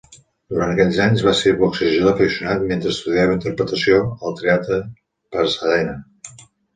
Durant aquells anys va ser boxejador aficionat mentre estudiava interpretació al Teatre Pasadena.